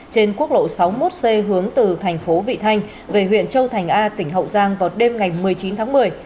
trên quốc lộ sáu mươi một c hướng từ thành phố vị thanh về huyện châu thành a tỉnh hậu giang vào đêm ngày một mươi chín tháng một mươi